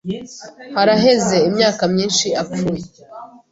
Haraheze imyaka myinshi apfuye.